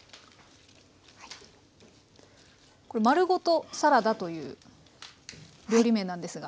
これ丸ごとサラダという料理名なんですが。